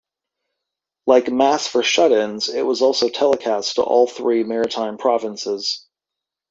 Like "Mass for Shut-ins", it was also telecast to all three Maritime provinces.